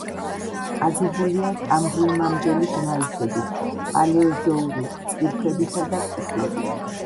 აგებულია კამბრიუმამდელი გნაისებით, პალეოზოური კირქვებითა და ფიქლებით.